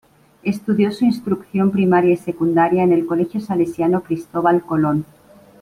Estudió su instrucción primaria y secundaria en el Colegio Salesiano Cristóbal Colón.